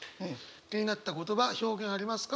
気になった言葉表現ありますか？